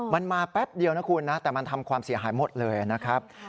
มันมาแป๊บเดียวนะคุณนะแต่มันทำความเสียหายหมดเลยนะครับ